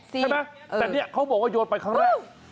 ใช่ไหมแต่เนี่ยเขาบอกว่าโยนไปครั้งแรก